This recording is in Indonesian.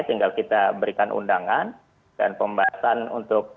tinggal kita berikan undangan dan pembahasan untuk